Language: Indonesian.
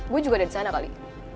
gue juga ada di sana kali